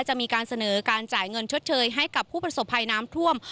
จะมีการเสนอการจ่ายเงินชดเชยให้กับผู้ประสบภัยน้ำท่วม